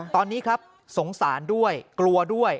ตอนนี้ครับสงสารด้วยกลัวด้วย